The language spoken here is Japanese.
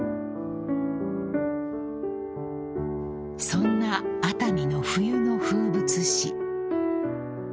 ［そんな熱海の冬の風物詩］